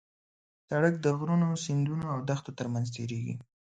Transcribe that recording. سړک د غرونو، سیندونو او دښتو ترمنځ تېرېږي.